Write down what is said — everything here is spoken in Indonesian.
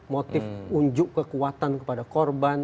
motif unjuk kekuatan kepada korban